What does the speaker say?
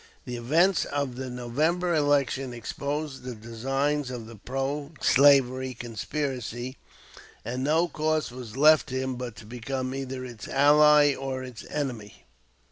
The events of the November election exposed the designs of the pro slavery conspiracy, and no course was left him but to become either its ally or its enemy.